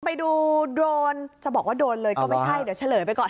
ไปดูโดรนจะบอกว่าโดนเลยก็ไม่ใช่เดี๋ยวเฉลยไปก่อน